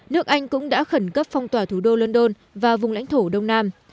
nước anh cũng đã khẩn cấp phong tỏa thủ đô london và vùng lãnh thổ đông nam